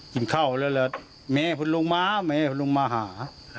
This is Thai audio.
กินข้าวแล้วแล้วแม่คุณลงมาแม่คุณลงมาหา